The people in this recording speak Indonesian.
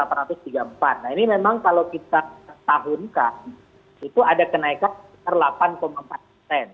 nah ini memang kalau kita tahunkan itu ada kenaikan sekitar delapan empat persen